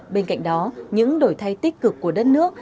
bên cạnh đó những đổi thay tích cực của đất nước